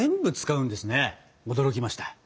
驚きました。